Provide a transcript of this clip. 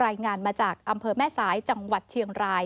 รายงานมาจากอำเภอแม่สายจังหวัดเชียงราย